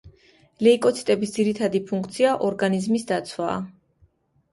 ლეიკოციტების ძირითადი ფუნქცია ორგანიზმის დაცვაა.